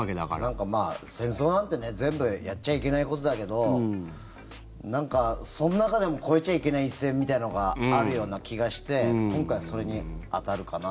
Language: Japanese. なんか、戦争なんてね全部やっちゃいけないことだけどなんか、その中でも越えちゃいけない一線みたいなのがあるような気がして今回、それに当たるかな。